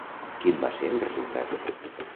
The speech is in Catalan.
Quin va ser el resultat?